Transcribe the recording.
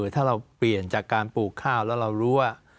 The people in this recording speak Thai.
ถ้าเราเปลี่ยนจากการปลูกข้าวแล้วเรารู้ว่า